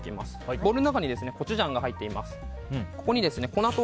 ボウルの中にコチュジャンが入っています。